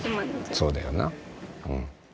そうだよな、うん。